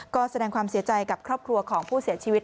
ก็แสดงความเสียใจกับครอบครัวของผู้เสียชีวิต